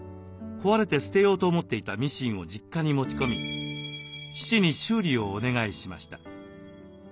壊れて捨てようと思っていたミシンを実家に持ち込み父に修理をお願いしました。